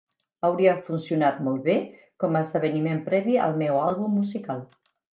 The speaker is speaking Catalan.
Hauria funcionat molt bé com a esdeveniment previ al meu àlbum musical.